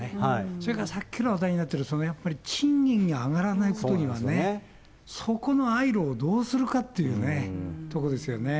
それからさっきの話題、そのやっぱり、賃金が上がらないことにはね、そこのあい路をどうするかっていうとこですよね。